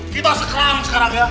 kita sekerang sekarang ya